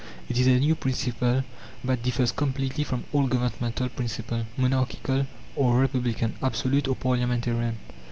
It is a new principle that differs completely from all governmental principle, monarchical or republican, absolute or parliamentarian.